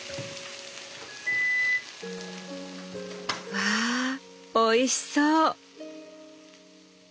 わあおいしそう！